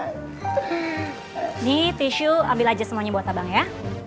ini tisu ambil aja semuanya buat abang ya